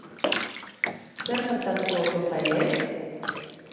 Zer gertatuko ote zaie?